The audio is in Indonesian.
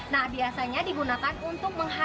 nah biasanya digunakan untuk menghabis